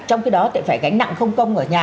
trong khi đó thì phải gánh nặng không công ở nhà